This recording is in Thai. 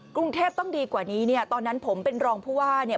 กรุงเทพฯต้องดีกว่านี้ตอนนั้นผมเป็นรองผู้ไหว้